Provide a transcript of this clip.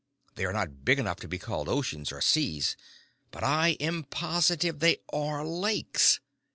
They are not big enough to be called oceans or seas. But I am almost positive they are lakes!"